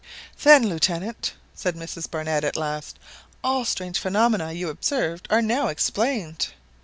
"Then, Lieutenant," said Mrs Barnett at last, "all the strange phenomena you observed are now explained!"